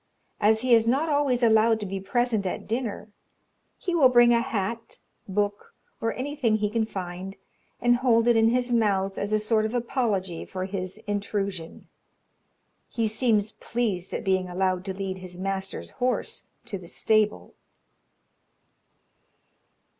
As he is not always allowed to be present at dinner, he will bring a hat, book, or anything he can find, and hold it in his mouth as a sort of apology for his intrusion. He seems pleased at being allowed to lead his master's horse to the stable.